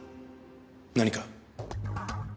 何か？